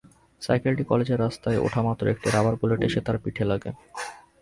সাইকেলটি কলেজের রাস্তায় ওঠামাত্র একটি রাবার বুলেট এসে তার পিঠে লাগে।